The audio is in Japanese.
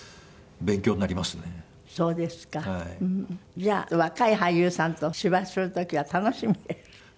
じゃあ若い俳優さんと芝居する時は楽しみね。